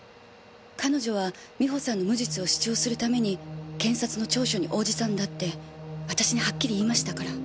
彼女は美穂さんの無実を主張するために検察の聴取に応じたんだって私にはっきり言いましたから。